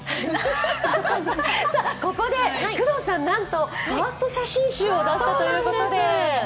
ここで工藤さん、なんとファースト写真集を出すということで。